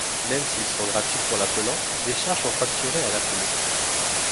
Même s'ils sont gratuits pour l'appelant, des charges sont facturées à l'appelé.